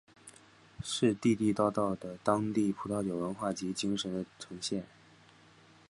是地地道道的当地葡萄酒文化及精神的呈现。